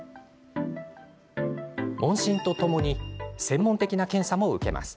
問診とともに専門的な検査も受けます。